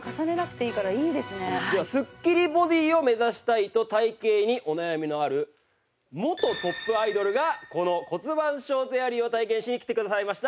ではスッキリボディーを目指したいと体形にお悩みのある元トップアイドルがこの骨盤ショーツエアリーを体験しに来てくださいました。